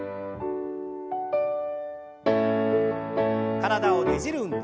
体をねじる運動。